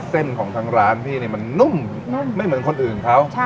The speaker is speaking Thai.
เส้นของทางร้านพี่นี่มันนุ่มนุ่มไม่เหมือนคนอื่นเขา